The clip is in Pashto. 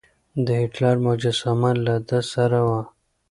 د هېټلر مجسمه له ده سره وه.